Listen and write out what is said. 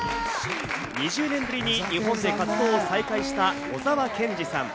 ２０年ぶりに日本で活動を再開した小沢健二さん。